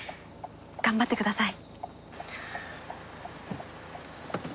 頑張ってください。